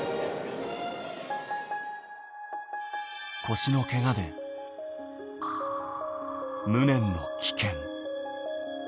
腰のけがで、無念の棄権。